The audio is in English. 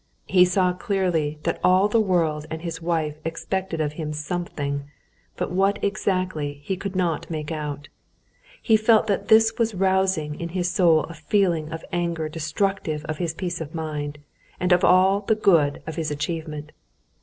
He saw clearly that all the world and his wife expected of him something, but what exactly, he could not make out. He felt that this was rousing in his soul a feeling of anger destructive of his peace of mind and of all the good of his achievement.